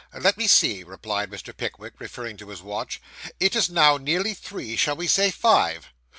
'Let me see,' replied Mr. Pickwick, referring to his watch, 'it is now nearly three. Shall we say five?